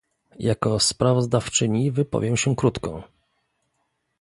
Jako sprawozdawczyni wypowiem się krótko